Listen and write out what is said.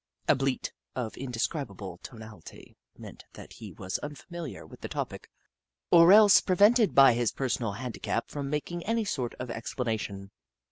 A bleat, of indescribable tonality, meant that he was unfamiliar with the topic, or else pre vented by his personal handicap from making any sort of an explanation.